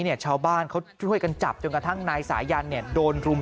เนี่ยชาวบ้านเขาช่วยกันจับจนกระทั่งนายสายยันเนี่ยโดนรุม